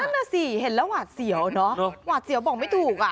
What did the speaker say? นั่นน่ะสิเห็นแล้วหวาดเสียวเนอะหวาดเสียวบอกไม่ถูกอ่ะ